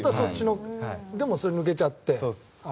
でも、それが抜けちゃって。